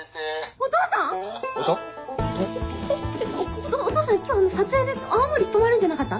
お父さん今日撮影で青森泊まるんじゃなかった？